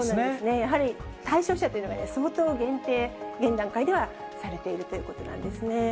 やはり、対象者というのが相当限定、現段階ではされているということなんですね。